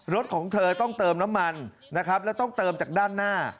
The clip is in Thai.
รถของเธอต้องเติมน้ำมันนะครับแล้วต้องเติมจากด้านหน้า